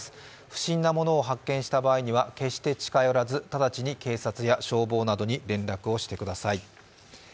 不審なものを発見した場合には決して近寄らず直ちに警察や消防などに連絡をしてください。